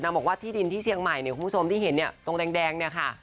นางบอกว่าที่ดินที่เชียงใหม่คุณผู้ชมที่เห็นตรงแดงค่ะ